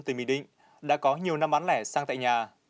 tỉnh bình định đã có nhiều năm bán lẻ sang tại nhà